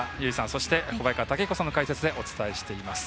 そして、小早川毅彦さんの解説でお伝えしています。